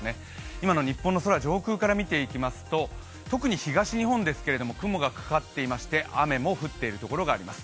今の日本の空、上空から見ていきますと、特に東日本ですが雲がかかっていまして雨も降っているところがあります。